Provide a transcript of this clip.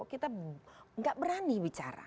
kita gak berani bicara